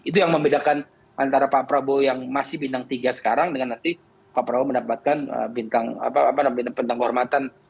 itu yang membedakan antara pak prabowo yang masih bintang tiga sekarang dengan nanti pak prabowo mendapatkan bintang kehormatan